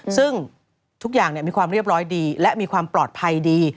ซึ่งทุกอย่างมีความเรียบร้อยดีและมีความปลอดภัยดี